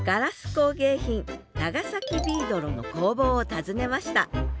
工芸品長崎ビードロの工房を訪ねました